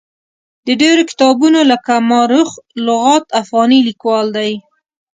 د ډېرو کتابونو لکه ما رخ لغات افغاني لیکوال دی.